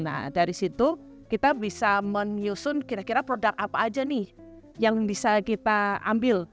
nah dari situ kita bisa menyusun kira kira produk apa aja nih yang bisa kita ambil